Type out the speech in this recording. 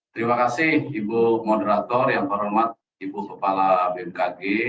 terima kasih ibu moderator yang terhormat ibu kepala bmkg